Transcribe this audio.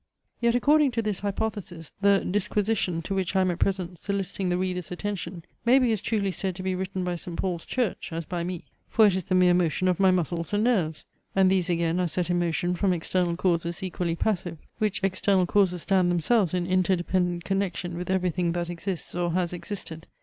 Yet according to this hypothesis the disquisition, to which I am at present soliciting the reader's attention, may be as truly said to be written by Saint Paul's church, as by me: for it is the mere motion of my muscles and nerves; and these again are set in motion from external causes equally passive, which external causes stand themselves in interdependent connection with every thing that exists or has existed.